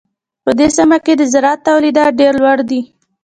په دې سیمه کې د زراعت تولیدات ډېر لوړ دي.